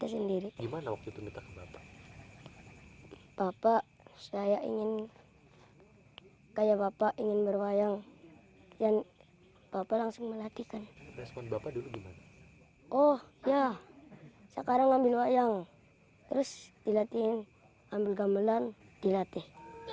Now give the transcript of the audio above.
saya ingin ambil gambaran dilatih